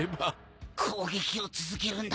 攻撃を続けるんだ。